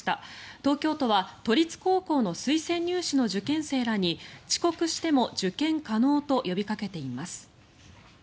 東京都は都立高校の推薦入試の受験生らに遅刻しても受験可能と呼びかけています。